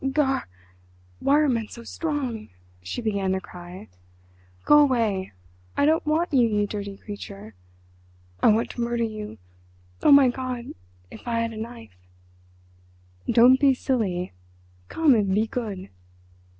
"Gar r! Why are men so strong?" She began to cry. "Go away—I don't want you, you dirty creature. I want to murder you. Oh, my God! if I had a knife." "Don't be silly—come and be good!"